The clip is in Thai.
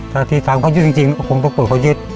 ถ้าที่อาจทางก็ยึดจริงอาจก็คงต้องปล่อยเขายึด